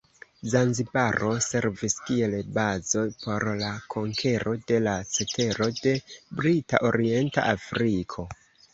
Zanzibaro servis kiel bazo por la konkero de la cetero de Brita Orienta Afriko.